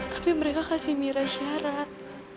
tapi mereka kasih miras syarat